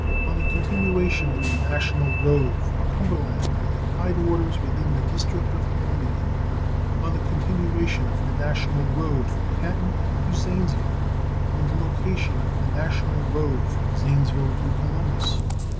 On the continuation of the national road from Cumberland to the tide waters within the District of Columbia. On the continuation of the national road from Canton to Zanesville. On the location of the national road from Zanesville to Columbus.